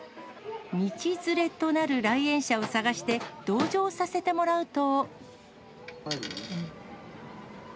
道連れとなる来園者を探して、同乗させてもらうと。